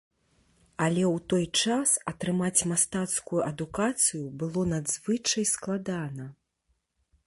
Але ў той час атрымаць мастацкую адукацыю было надзвычай складана.